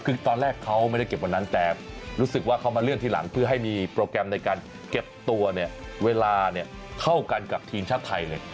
คือตอนแรกเขาไม่ได้เก็บวันนั้นแต่รู้สึกว่าเขามาเลื่อนทีหลังเพื่อให้มีโปรแกรมในการเก็บตัวเนี่ยเวลาเข้ากันกับทีมชาติไทยเลย